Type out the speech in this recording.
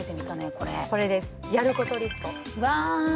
これこれですやることリストわあ